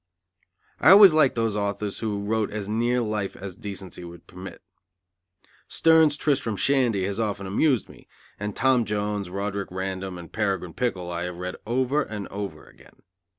I always liked those authors who wrote as near life as decency would permit. Sterne's Tristram Shandy has often amused me, and Tom Jones, Roderick Random and Peregrine Pickle I have read over and over again.